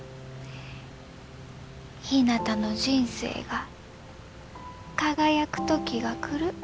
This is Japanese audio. ひなたの人生が輝く時が来る。